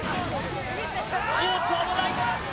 おっと危ない！